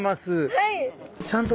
はい。